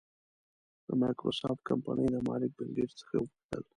د مایکروسافټ کمپنۍ د مالک بېل ګېټس څخه وپوښتل.